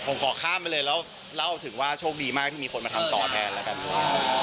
ผมขอข้ามไปเลยแล้วเล่าถึงว่าโชคดีมากที่มีคนมาทำต่อแทนแล้วกันด้วย